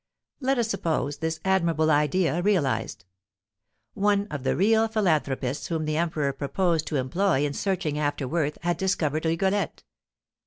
Let us suppose this admirable idea realised. One of the real philanthropists whom the Emperor proposed to employ in searching after worth has discovered Rigolette.